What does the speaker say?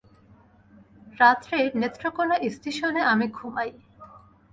রাত্রে নেত্রকোণা ইস্টিশনে আমি ঘুমাই।